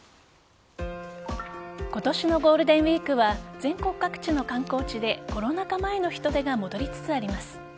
今年のゴールデンウイークは全国各地の観光地でコロナ禍前の人出が戻りつつあります。